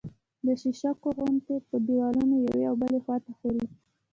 د شیشکو غوندې په دېوالونو یوې او بلې خوا ته ښوري